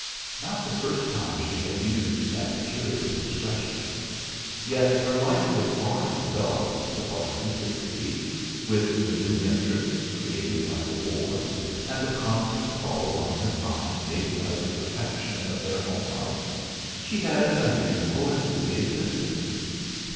Not the first time she had used that curious expression! Yet her life was far from dull, so far as he could see; with the new interests created by the war, and the constant calls on her time made by the perfection of their home life, she had a useful and busy existence.